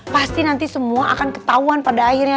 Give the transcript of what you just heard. pasti nanti semua akan ketahuan pada akhirnya